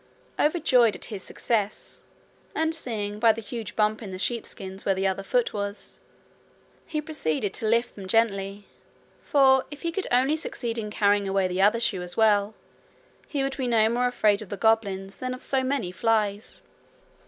Overjoyed at his success, and seeing by the huge bump in the sheepskins where the other foot was, he proceeded to lift them gently, for, if he could only succeed in carrying away the other shoe as well, he would be no more afraid of the goblins than of so many flies.